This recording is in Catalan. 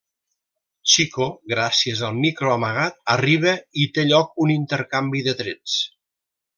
Chico, gràcies al micro amagat, arriba i té lloc un intercanvi de trets.